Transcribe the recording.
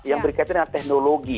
yang berkaitan dengan teknologi